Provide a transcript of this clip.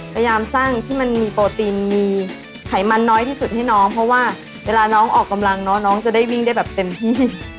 พยายามสร้างที่มันมีโปรตีนมีไขมันน้อยที่สุดให้น้องเพราะว่าเวลาน้องออกกำลังเนาะน้องจะได้วิ่งได้แบบเต็มที่